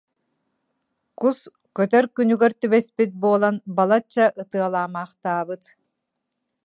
Кус көтөр күнүгэр түбэспит буолан, балачча ытыалаамахтаабыт.